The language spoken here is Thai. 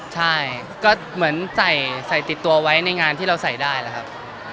ใช่ก็เหมือนใส่ติดตัวไว้ในงานที่เราใส่ได้แล้วครับ